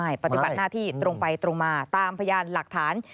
ใช่ปฏิบัติหน้าที่ตรงไปตรงมาตามพยานหลักฐาน